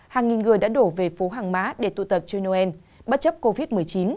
hàng nghìn người đã đổ về phố hàng má để tụ tập chơi noel bất chấp covid một mươi chín